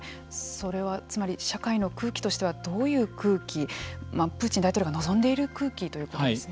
それはつまり社会の空気としてはどういう空気プーチン大統領が望んでいる空気ということですね。